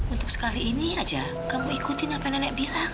untuk sekali ini aja kamu ikutin apa nenek bilang